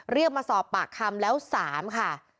เรียกมาสอบปากคำแล้ว๓ค่ะ